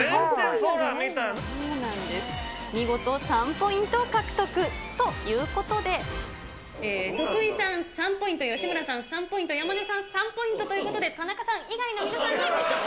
そうなん、見事３ポイント獲得、ということで、徳井さん３ポイント、吉村さん３ポイント、山根さん３ポイントということで、田中さん以外の皆さんに。